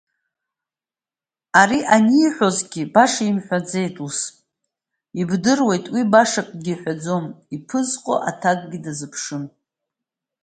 Ари ианиҳәозгьы, баша имҳәаӡеит ус, ибдыруеит, уи баша акгьы иҳәаӡом, иԥызҟо аҭакгьы дазыԥшын.